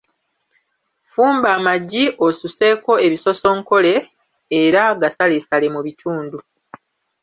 Fumba amagi osuseeko ebisosonkole era gasaleesale mu bitundu.